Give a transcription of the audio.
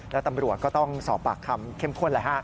แล้วตำรวจก็ต้องสอบปากคำเข้มข้นเลยฮะ